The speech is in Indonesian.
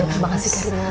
iya makasih kak rina